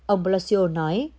ông palacio nói